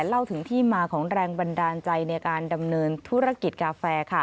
เล่าถึงที่มาของแรงบันดาลใจในการดำเนินธุรกิจกาแฟค่ะ